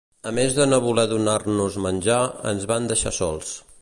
A més de no voler donar-nos menjar, ens van deixar sols.